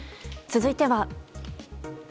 続いては。